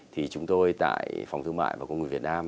thì chúng tôi tại phòng thương mại và công nghiệp việt nam